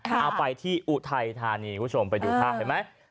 เอาไปที่อุทัยธานีคุณผู้ชมไปดูภาพเห็นไหม